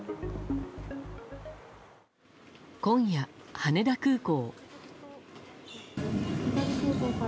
今夜、羽田空港。